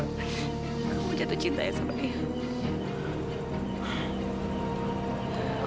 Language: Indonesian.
kamu jatuh cinta ya sama dia